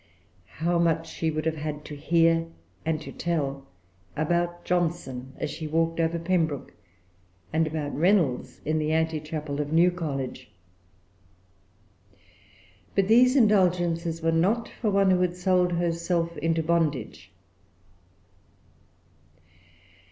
How much she would have had to hear and to tell about Johnson, as she walked over Pembroke, and about Reynolds, in the antechapel of New College! But these indulgences were not for one who had sold herself into bondage.